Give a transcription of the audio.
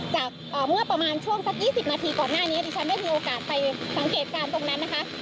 จากเมื่อประมาณช่วงสัก๒๐นาทีก่อนหน้านี้ดิฉันได้มีโอกาสไปสังเกตการณ์ตรงนั้นนะคะ